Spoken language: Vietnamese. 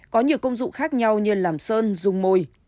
có nhiều công dụng khác nhau như làm sơn dung môi